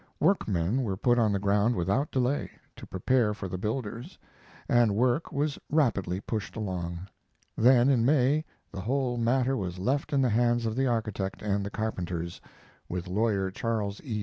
Workmen were put on the ground without delay, to prepare for the builders, and work was rapidly pushed along. Then in May the whole matter was left in the hands of the architect and the carpenters (with Lawyer Charles E.